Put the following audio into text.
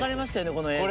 この映像。